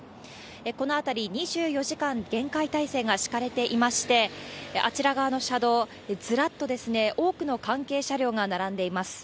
この辺り、２４時間厳戒態勢が敷かれていまして、あちら側の車道、ずらっと多くの関係車両が並んでいます。